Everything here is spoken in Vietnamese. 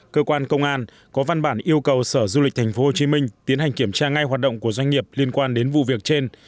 cơ quan công an có văn bản yêu cầu sở du lịch tp hcm tiến hành kiểm tra ngay hoạt động của doanh nghiệp liên quan đến vụ việc trên